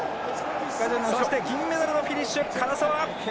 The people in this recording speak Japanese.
そして銀メダルでのフィニッシュ唐澤！